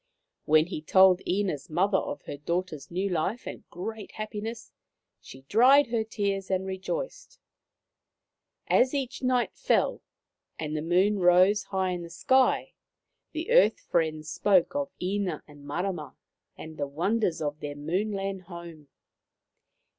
When he told Ina's mother of her daughter's new life and great happiness, she dried her tears and rejoiced. As each night fell, and the Moon rose high in the sky, the earth friends spoke of Ina and Marama and the wonders of their Moon land home.